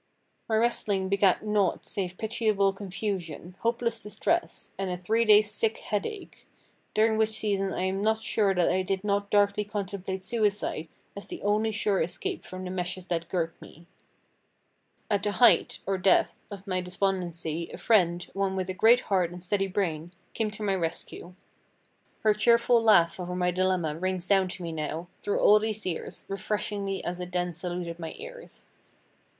My wrestling begat naught save pitiable confusion, hopeless distress, and a three days' sick headache, during which season I am not sure that I did not darkly contemplate suicide as the only sure escape from the meshes that girt me. At the height—or depth—of my despondency a friend, one with a great heart and steady brain, came to my rescue. Her cheerful laugh over my dilemma rings down to me now, through all these years, refreshingly as it then saluted my ears.